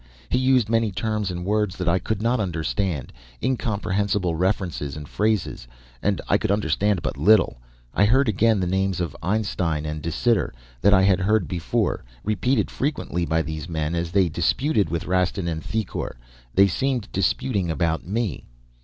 He used many terms and words that I could not understand, incomprehensible references and phrases, and I could understand but little. I heard again the names of Einstein and De Sitter that I had heard before, repeated frequently by these men as they disputed with Rastin and Thicourt. They seemed disputing about me.